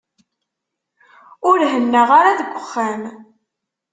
Ur hennaɣ ara deg uxxam.